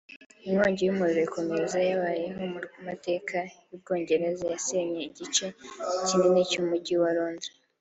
Inkongi y’umuriro ikomeye yabayeho mu mateka y’ubwongereza yasenye igice kinini cy’umujyi wa Londres